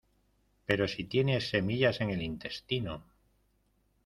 pero si tiene semillas en el intestino